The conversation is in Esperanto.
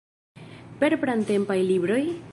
Per pratempaj libroj?